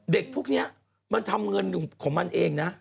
เด็กพวกนี้มันทำเงินของมันเองนะ